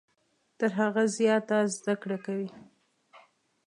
تر هغه زیاته زده کړه کوي .